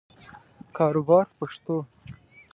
کاروبار په پښتو.